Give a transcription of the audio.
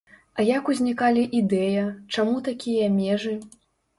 А як узнікалі ідэя, чаму такія межы?